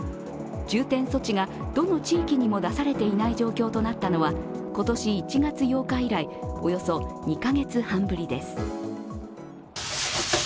重点措置がどの地域にも出されていない状況となったのは今年１月８日以来およそ２カ月半ぶりです。